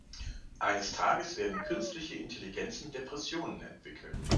Eines Tages werden künstliche Intelligenzen Depressionen entwickeln.